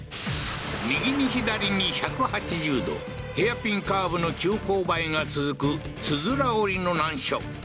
右に左に１８０度ヘアピンカーブの急勾配が続くつづら折りの難所